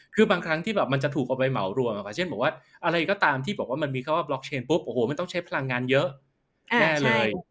คือบางครั้งที่แบบมันจะถูกเอาไปเหมารวมเช่นบอกว่าอะไรก็ตามที่บอกว่ามันมีข้อบล็อกเชนปุ๊บโอ้โหมันต้องใช้พลังงานเยอะแน่เลย